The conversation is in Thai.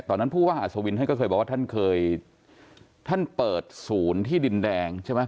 ตอนนั้นผู้ว่าอสวินทร์เขาเคยบอกว่าท่านเคยท่านเปิดศูนย์ที่ดินแดงใช่ไหม